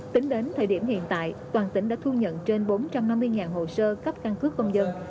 tính đến thời điểm hiện tại toàn tỉnh đã thu nhận trên bốn trăm năm mươi hồ sơ cấp căn cước công dân